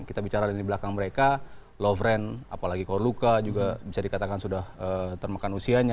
kita bicara di belakang mereka lovren apalagi korluka juga bisa dikatakan sudah termakan usianya